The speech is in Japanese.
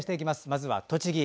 まずは、栃木。